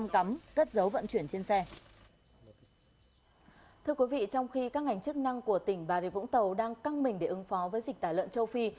thưa quý vị trong khi các ngành chức năng của tỉnh bà rịa vũng tàu đang căng mình để ứng phó với dịch tả lợn châu phi